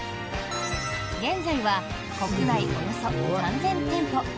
現在は国内およそ３０００店舗